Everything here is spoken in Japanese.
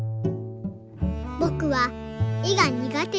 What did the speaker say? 「ぼくは絵がにがてです。